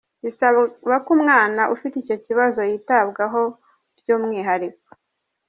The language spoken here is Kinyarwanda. Bisaba ko umwana ufite icyo kibazo yitabwaho by’umwihariko.